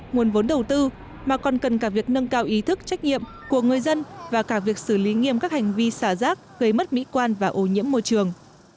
nguồn vốn đầu tư mà còn cần cả việc nâng cao ý thức trách nhiệm của người dân và cả việc xử lý nghiêm các hành vi xả rác gây mất mỹ quan và ô nhiễm môi trường